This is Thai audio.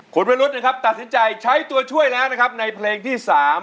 คุณวิรุธนะครับตัดสินใจใช้ตัวช่วยแล้วนะครับในเพลงที่๓